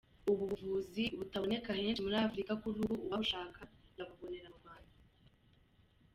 Ubu buvuzi butaboneka henshi muri Afrika kuri ubu uwabushaka yabubonera mu Rwanda.